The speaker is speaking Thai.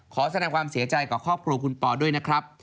ขอแสดงความเสียใจกับครอบครัวคุณปอด้วยนะครับ